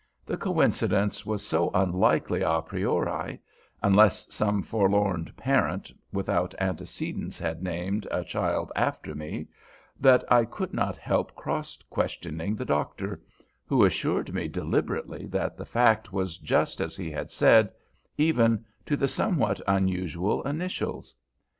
The coincidence was so unlikely a priori, unless some forlorn parent without antecedents had named, a child after me, that I could not help cross questioning the Doctor, who assured me deliberately that the fact was just as he had said, even to the somewhat unusual initials.